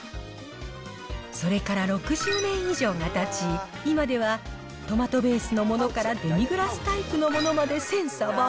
それから６０年以上がたち、今ではトマトベースのものからデミグラスタイプのものまで千差万